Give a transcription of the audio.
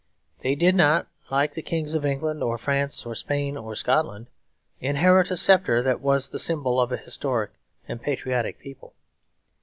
They did not, like the kings of England or France or Spain or Scotland, inherit a sceptre that was the symbol of a historic and patriotic people.